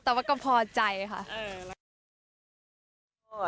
แต่ว่าก็พอใจค่ะ